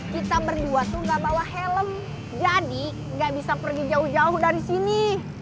kita berdua suka bawa helm jadi gak bisa pergi jauh jauh dari sini